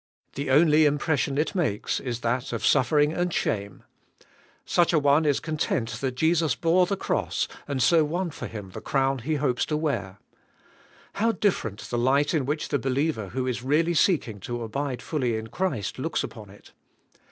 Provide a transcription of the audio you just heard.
The only impression it makes is that of suffering and shame: such a one is content that Jesus bore the cross, and so won for him the crown he hopes to wear. How different the light in which the believer who is really seeking to abide fully in Christ looks upon it.